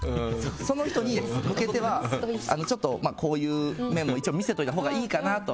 その人に向けてはこういう面も一応見せといたほうがいいかなと。